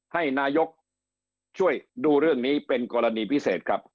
ให้นายกช่วยดูเรื่องนี้เป็นกรณีพิเศษครับ